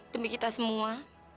demi kita semua